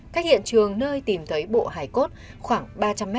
cách hiện trường nơi tìm thấy bộ hải cốt khoảng ba trăm linh m